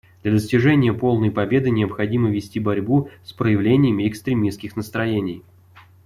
Для достижения полной победы необходимо вести борьбу с проявлениями экстремистских настроений.